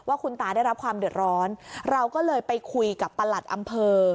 คุณตาได้รับความเดือดร้อนเราก็เลยไปคุยกับประหลัดอำเภอ